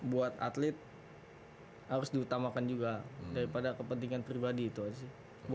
buat atlet harus diutamakan juga daripada kepentingan pribadi itu aja sih